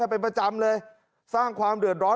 เป็นประจำเลยสร้างความเดือดร้อน